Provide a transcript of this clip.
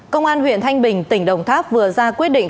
công an huyện thanh bình tỉnh đồng tháp vừa ra quyết định